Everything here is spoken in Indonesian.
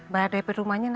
bayar dp rumahnya nanti